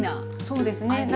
そうですね。